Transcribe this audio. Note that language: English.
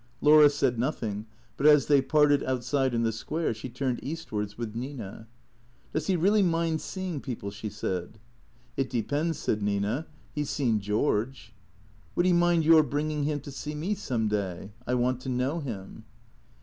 Laura said nothing; but, as they parted outside in the square, she turned eastwards with Nina. " Does he really mind seeing people ?" she said. " It depends," said Nina. " He 's seen George." " Would he mind your bringing him to see me some day ? I want to know him."